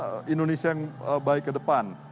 untuk indonesia yang baik ke depan